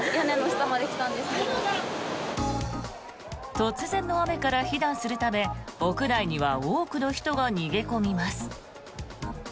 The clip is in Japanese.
突然の雨から避難するため屋内には多くの人が逃げ込みます。